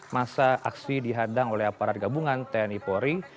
masa aksi dihadang oleh aparat gabungan tni polri